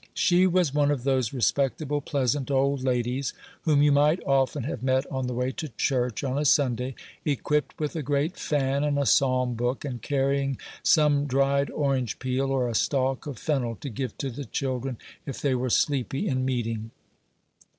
She was one of those respectable, pleasant old ladies whom you might often have met on the way to church on a Sunday, equipped with a great fan and a psalm book, and carrying some dried orange peel or a stalk of fennel, to give to the children if they were sleepy in meeting.